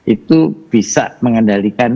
itu bisa mengendalikan